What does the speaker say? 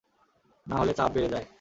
না হলে তাপ বেড়ে যায়।